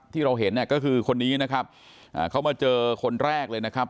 ที่เราเห็นเนี่ยก็คือคนนี้นะครับเขามาเจอคนแรกเลยนะครับ